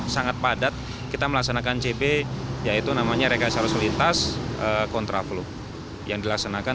sangat padat kita melaksanakan cp yaitu namanya reka selesai lintas kontraflux yang dilaksanakan